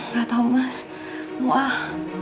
nggak tau mas muak